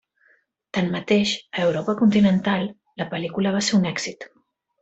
Tanmateix, a Europa continental, la pel·lícula va ser un èxit.